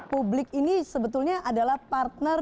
publik ini sebetulnya adalah partner